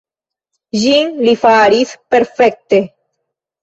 Ĝin li faris perfekte.